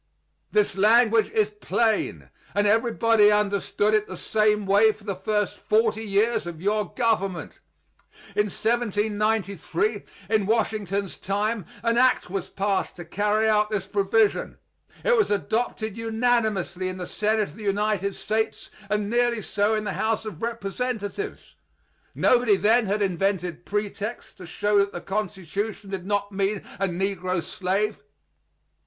This language is plain, and everybody understood it the same way for the first forty years of your government. In 1793, in Washington's time, an act was passed to carry out this provision. It was adopted unanimously in the Senate of the United States, and nearly so in the House of Representatives. Nobody then had invented pretexts to show that the Constitution did not mean a negro slave.